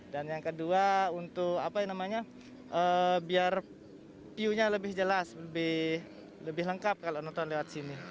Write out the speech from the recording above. dan yang kedua untuk apa yang namanya biar view nya lebih jelas lebih lengkap kalau nonton lewat sini